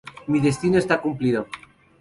Mi destino esta cumplido.